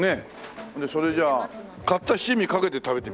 それじゃあ買った七味かけて食べてみますわ。